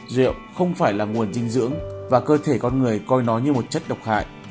rượu không phải là nguồn dinh dưỡng và cơ thể con người coi nó như một chất độc hại